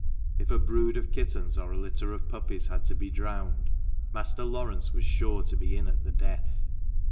If a brood of kittens or a litter of puppies had to be drowned, Master Laurence was sure to be in at the death.